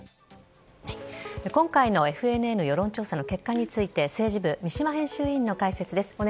今回のＦＮＮ世論調査の結果について、政治部、三嶋編集委員の解説です。